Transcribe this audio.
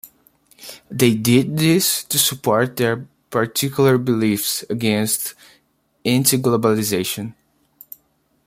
They did this to support their particular beliefs against anti-globalization.